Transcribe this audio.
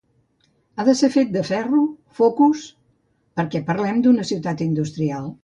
Ha de ser fet de ferro, focus… perquè parlem d’una ciutat industrial.